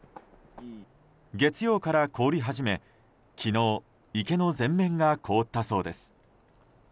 月曜から凍り始め、昨日池の全面が凍ったそうです。